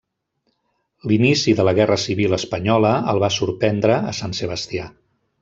L'inici de la guerra civil espanyola el va sorprendre a Sant Sebastià.